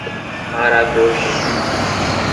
Maragogipe